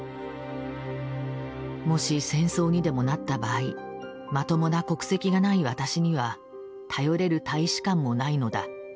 もし戦争にでもなった場合まともな国籍がない私には頼れる大使館もないのだ。